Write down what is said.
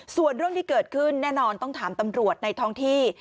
ส่วนเรื่องที่เกิดขึ้นแน่นอนต้องถามตำรวจในท้องที่